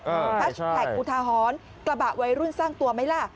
เออใช่นะฮะแผ่งอุทาหรณ์กระบะไว้รุ่นสร้างตัวไหมล่ะ